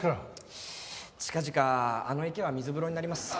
近々あの池は水風呂になります。